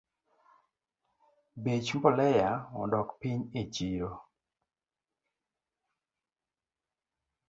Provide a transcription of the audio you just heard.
Bech mbolea odok piny echiro